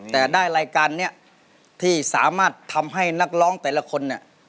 แต่ได้รายการนี้ที่สามารถทำให้นักร้องแต่ละคนเนี่ย